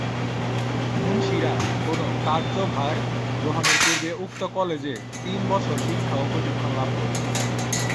মুনশিরা কোনো কার্যভার গ্রহণের পূর্বে উক্ত কলেজে তিন বছরের শিক্ষা ও প্রশিক্ষণ লাভ করত।